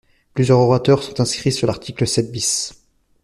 Plusieurs orateurs sont inscrits sur l’article sept bis.